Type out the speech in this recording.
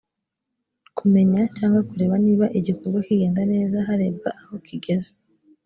kumenya cyangwa kureba niba igikorwa cyigenda neza harebwa aho kigeze